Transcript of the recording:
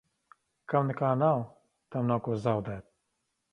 Kam nekā nav, tam nav ko zaudēt.